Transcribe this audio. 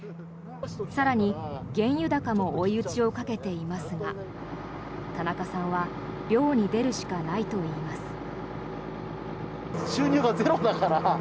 更に、原油高も追い打ちをかけていますが田中さんは漁に出るしかないといいます。